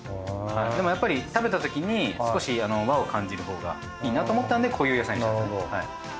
でもやっぱり食べたときに少し和を感じるほうがいいなと思ったんでこういう野菜にしたんですね。